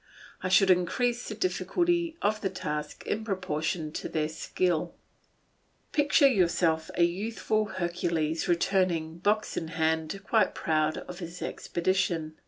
I should increase the difficulty of the task in proportion to their skill. Picture to yourself a youthful Hercules returning, box in hand, quite proud of his expedition.